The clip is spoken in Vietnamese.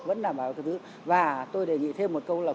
và tôi đề nghị thêm một câu là